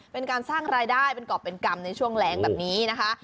เป็นการสร้างรายได้เป็นกรอบเป็นกรรมในช่วงแรงแบบนี้นะคะ